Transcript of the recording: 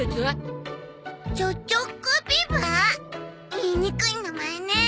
言いにくい名前ね。